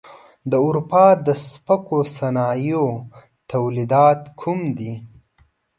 د اروپا د سپکو صنایعو تولیدات کوم دي؟